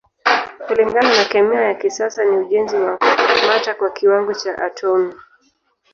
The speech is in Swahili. Kulingana na kemia ya kisasa ni ujenzi wa mata kwa kiwango cha atomi.